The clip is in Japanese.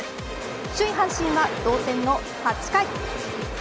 首位阪神は、同点の８回。